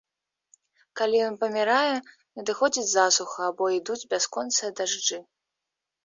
Калі ён памірае, надыходзіць засуха або ідуць бясконцыя дажджы.